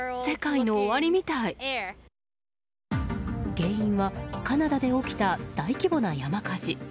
原因はカナダで起きた大規模な山火事。